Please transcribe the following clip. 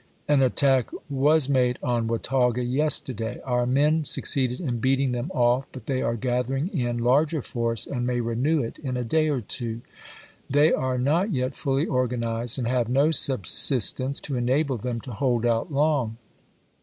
.. An attack was made on Watauga yesterday. Our men suc ceeded in beating them off, but they are gathering in larger force and may renew it in a day or two. They are not yet fully organized, and have no sub sistence to enable them to hold out long.